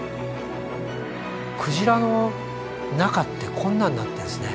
クジラの中ってこんなんなってるんですね。